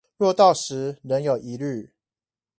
若到時仍有疑慮